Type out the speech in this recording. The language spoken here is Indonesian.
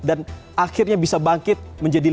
dan akhirnya bisa bangkit menjadi lima dua